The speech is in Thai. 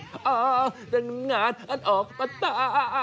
อออแต่งงานออกประตา